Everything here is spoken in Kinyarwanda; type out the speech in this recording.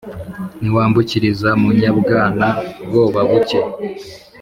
niwambukiriza mu nyabwana bwobabuke,